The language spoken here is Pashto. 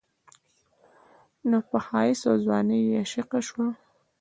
نو پۀ ښايست او ځوانۍ يې عاشقه شوه